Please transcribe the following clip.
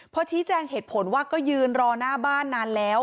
พอชี้แจงเหตุผลว่าก็ยืนรอหน้าบ้านนานแล้ว